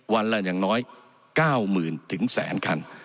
วันละอย่างน้อย๙๐๐๐๐ถึงแสนคัน